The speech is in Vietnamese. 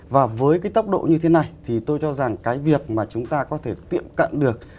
và với cái tốc độ như thế này thì tôi cho rằng cái việc mà chúng ta có thể tiệm cận được